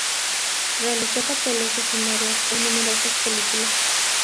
Realizó papeles secundarios en numerosas películas.